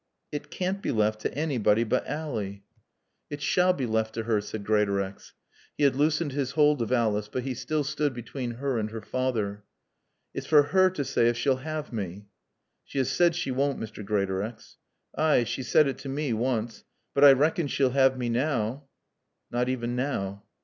"It can't be left to anybody but Ally." "It s'all be laft to her," said Greatorex. He had loosened his hold of Alice, but he still stood between her and her father. "It's for her t' saay ef she'll 'aave mae." "She has said she won't, Mr. Greatorex." "Ay, she's said it to mae, woonce. But I rackon she'll 'ave mae now." "Not even now."